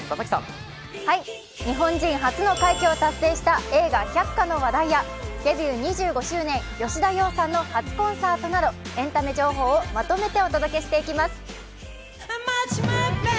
日本人初の快挙を達成した映画「百花」の話題やデビュー２５周年、吉田羊さんの初コンサートなどエンタメ情報をまとめてお届けしていきます。